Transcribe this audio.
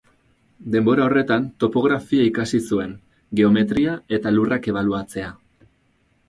Denbora horretan topografia ikasi zuen, geometria, eta lurrak ebaluatzea.